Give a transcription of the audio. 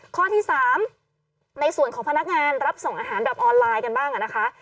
ข้อที่๓ในส่วนของพนักงานรับส่งอาหารแบบออนไลน์กันบ้างนะคะ